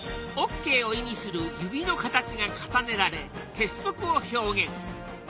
「ＯＫ」を意味する指の形が重ねられ「結束」を表現。